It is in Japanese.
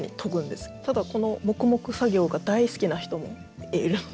ただこの黙々作業が大好きな人もいるので。